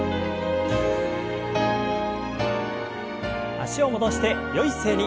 脚を戻してよい姿勢に。